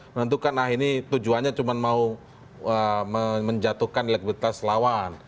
menentukan nah ini tujuannya cuma mau menjatuhkan elektrikitas lawan